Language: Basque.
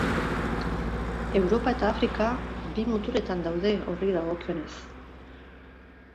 Europa eta Afrika bi muturretan daude horri dagokionez.